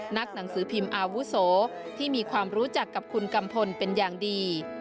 นักหนังสือพิมพ์อาวุโสที่มีความรู้จักกับคุณกัมพลเป็นอย่างดี